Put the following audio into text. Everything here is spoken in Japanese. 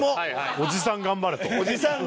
おじさん頑張れ。